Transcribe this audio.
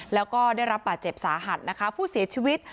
แล้วก็ได้รับบาดเจ็บสาหัสนะคะผู้เสียชีวิต